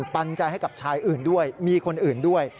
ปัญญาให้กับชายอื่นด้วยมีคนอื่นด้วย